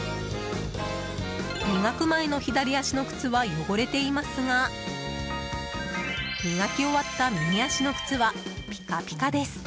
磨く前の左足の靴は汚れていますが磨き終わった右足の靴はピカピカです。